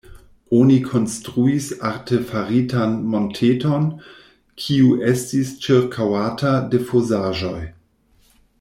Oni konstruis artefaritan monteton, kiu estis ĉirkaŭata de fosaĵoj.